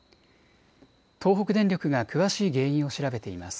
東北電力が詳しい原因を調べています。